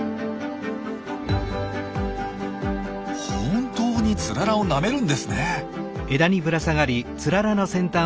本当にツララをなめるんですね。